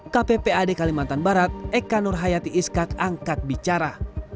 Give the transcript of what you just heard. kp pad kalimantan barat eka nurhayati iskak angkat bicara